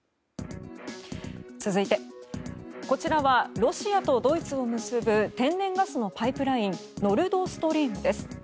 続いてこちらはロシアとドイツを結ぶ天然ガスのパイプラインノルド・ストリームです。